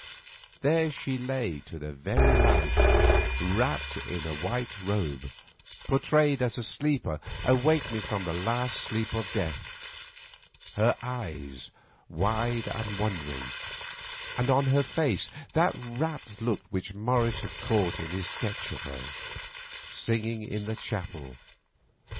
There she lay to the very life, wrapped in a white robe, portrayed as a sleeper awakening from the last sleep of death, her eyes wide and wondering, and on her face that rapt look which Morris had caught in his sketch of her, singing in the chapel.